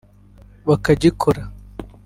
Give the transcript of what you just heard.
bakagikora